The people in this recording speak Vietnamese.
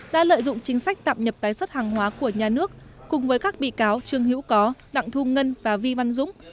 đã lợi dụng chính sách tạm nhập tái xuất hàng hóa của nhà nước cùng với các bị cáo trương hữu có đặng thu ngân và vi văn dũng